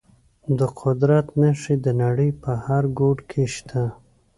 د قدرت نښې د نړۍ په هر ګوټ کې شته.